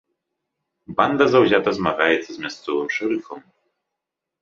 Банда заўзята змагаецца з мясцовым шэрыфам.